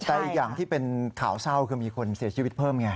แต่อีกอย่างที่เป็นข่าวเศร้าคือมีคนเสียชีวิตเพิ่มไง